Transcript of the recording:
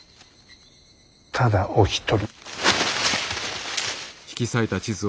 ただお一人。